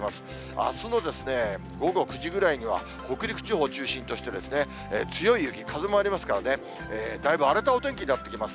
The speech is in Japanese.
あすの午後９時ぐらいには北陸地方を中心として、強い雪、風もありますからね、だいぶ荒れたお天気になってきます。